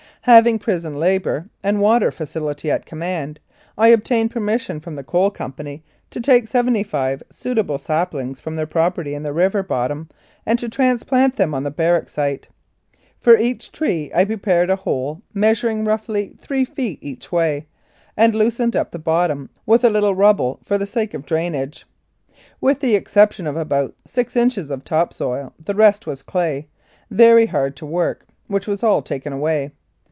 Having prison labour and water facility at command, I obtained permission from the Coal Company to take seventy five suitable saplings from their property in the river bottom and to trans plant them on the barrack site. For each tree, I pre pared a hole measuring, roughly, three feet each way, and loosened up the bottom with a little rubble for the sake of drainage. With the exception of about six inches of top soil the rest was clay, very hard to work, which was all taken away.